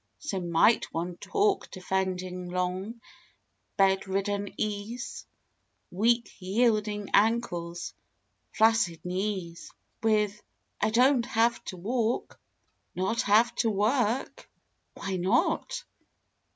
So might one talk Defending long, bedridden ease, Weak yielding ankles, flaccid knees, With, "I don't have to walk!" Not have to work. Why not?